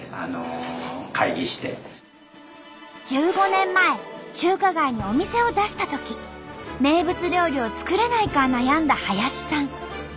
１５年前中華街にお店を出したとき名物料理を作れないか悩んだ林さん。